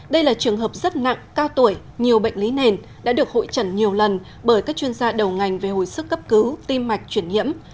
đây là trường hợp rất nặng cao tuổi nhiều bệnh lý nền đã được hội trần nhiều lần bởi các chuyên gia đầu ngành về hồi sức cấp cứu tim mạch chuyển hiểm